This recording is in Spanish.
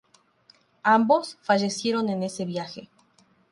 Ambos fallecieron en ese viaje.